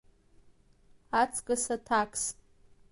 Ацкыс аҭакс…